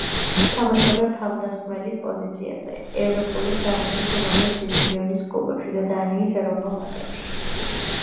თამაშობდა თავდამსხმელის პოზიციაზე ევროპული ფეხბურთის უმაღლეს დივიზიონის კლუბებში და დანიის ეროვნულ ნაკრებში.